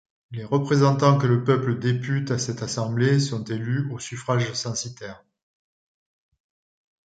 Les représentants que le peuple députe à cette assemblée sont élus au suffrage censitaire.